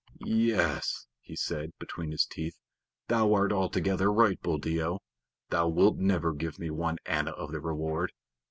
"Ye es," he said, between his teeth. "Thou art altogether right, Buldeo. Thou wilt never give me one anna of the reward.